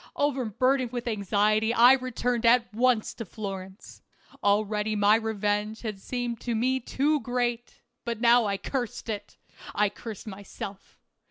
Overburdened with anxiety I returned at once to Florence. Already my revenge had seemed to me too great, but now I cursed it; I cursed myself.